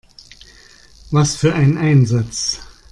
Was für ein Einsatz!